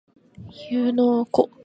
湯ノ湖